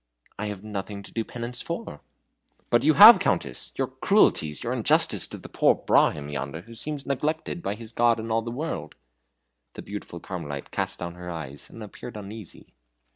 "I have nothing to do penance for." "But you have, Countess! your cruelties your injustice to the poor Brahmin yonder, who seems neglected by his God and all the world." The beautiful Carmelite cast down her eyes, and appeared uneasy.